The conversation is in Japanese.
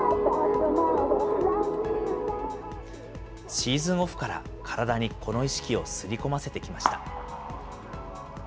シーズンオフから、体にこの意識をすり込ませてきました。